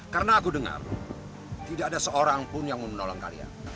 karena aku dengar tidak ada seorang pun yang mau nolong kalian